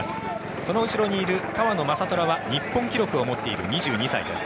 その後ろにいる川野将虎は日本記録を持っている２２歳です。